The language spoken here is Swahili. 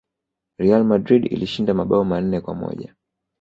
real madrid ilishinda mabao manne kwa moja